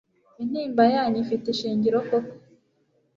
intimba yanyu ifite ishingiro koko